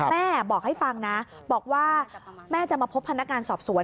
แม่บอกให้ฟังนะบอกว่าแม่จะมาพบพนักงานสอบสวน